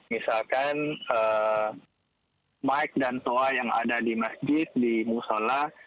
misalkan mike dan toa yang ada di masjid di musola